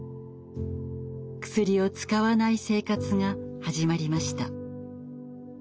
クスリを使わない生活が始まりました。